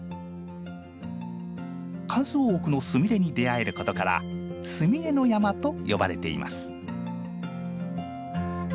数多くのスミレに出会えることから「スミレの山」と呼ばれています。